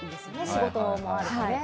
仕事もあるので。